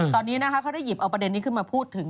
ตอนนี้นะคะเขาได้หยิบเอาประเด็นนี้ขึ้นมาพูดถึง